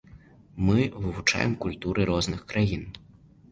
Мы вывучаем культуры розных краін.